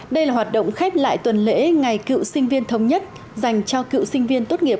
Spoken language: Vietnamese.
đây là hoạt động khép lại tuần lễ ngày cựu sinh viên thống nhất dành cho cựu sinh viên tốt nghiệp